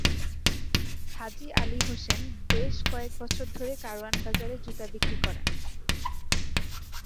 হাজি আলী হোসেন বেশ কয়েক বছর ধরে কারওয়ান বাজারে জুতা বিক্রি করেন।